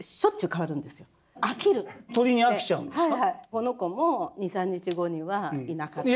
この子も２３日後にはいなかったり。